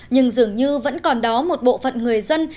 nhưng dường như vẫn còn đó một bộ phận người dân